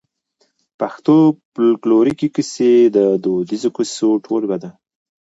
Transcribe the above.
پښتو فولکلوريکي کيسې د دوديزو کيسو ټولګه ده.